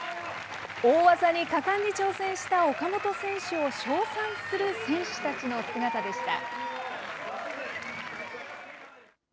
大技に果敢に挑戦した岡本選手を称賛する選手たちの姿でした。